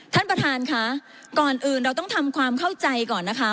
ท่านประธานค่ะก่อนอื่นเราต้องทำความเข้าใจก่อนนะคะ